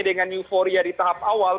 dengan euforia di tahap awal